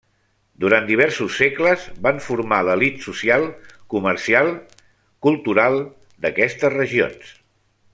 Durant diversos segles, van formar l'elit social, comercial, cultural d'aquestes regions.